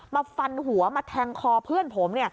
มาฟันหัวมาแทงคอเพื่อนผม